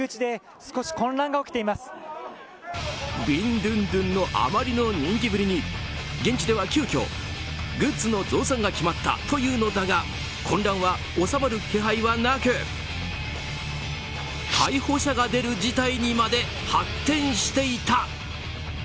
ビンドゥンドゥンのあまりの人気ぶりに現地では急きょグッズの増産が決まったというのだが混乱は収まる気配はなく逮捕者が出る事態にまで発展していた。